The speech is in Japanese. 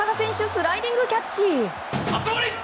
スライディングキャッチ！